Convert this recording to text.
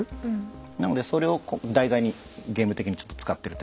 なのでそれをこう題材にゲーム的にちょっと使ってるってとこが。